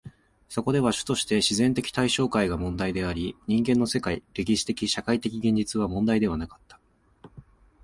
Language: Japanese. そこでは主として自然的対象界が問題であり、人間の世界、歴史的・社会的現実は問題でなかった。